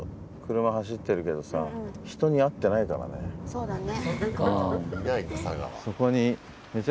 そうだね。